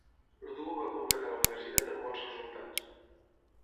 El duo va completar la universitat amb bons resultats.